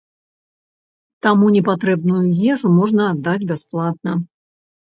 Таму непатрэбную ежу можна аддаць бясплатна.